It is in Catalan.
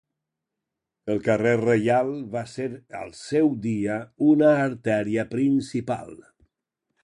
El carrer reial va ser al seu dia una artèria principal.